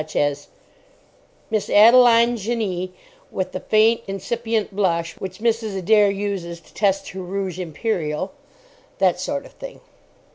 Such as: Miss Adeline Genie (with the faint, incipient blush which Mrs. Adair uses to test her Rouge Imperial). That sort of thing.